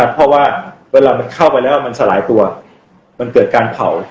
เพราะว่าเวลามันเข้าไปแล้วมันสลายตัวมันเกิดการเผา